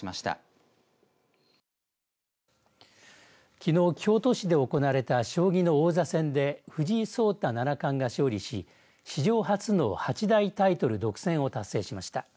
きのう、京都市で行われた将棋の王座戦で藤井聡太七冠が勝利し史上初の八大タイトル独占を達成しました。